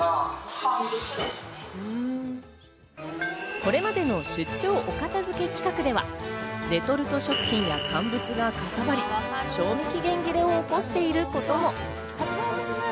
これまでの出張お片付け企画では、レトルト食品や乾物がかさばり賞味期限切れを起こしていることも。